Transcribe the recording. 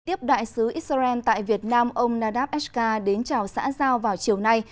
tiếp đại sứ israel tại việt nam ông nadav ska đến chào xã giao vào chiều nay